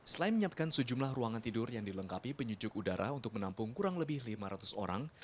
selain menyiapkan sejumlah ruangan tidur yang dilengkapi penyujuk udara untuk menampung kurang lebih lima ratus orang